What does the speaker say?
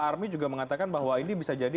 pak armi juga mengatakan bahwa ini bisa jadi